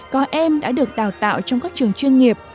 có em đã được đào tạo trong các trường chuyên nghiệp